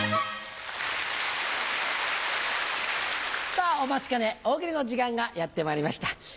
さぁお待ちかね大喜利の時間がやってまいりました。